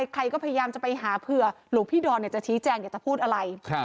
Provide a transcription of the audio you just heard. ใครก็พยายามจะไปหาเผื่อหลวงพี่ดอนจะชี้แจงอยากจะพูดอะไร